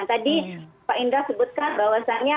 tadi pak indra sebutkan bahwasannya